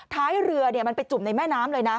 ท้ายเรือมันไปจุ่มในแม่น้ำเลยนะ